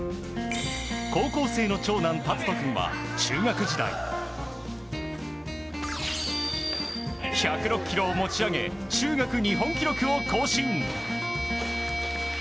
高校生の長男・尊君は中学時代１０６ｋｇを持ち上げ中学日本記録を更新。